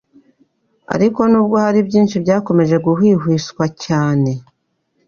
Ariko nubwo hari byinshi byakomeje guhwihwiswa cyane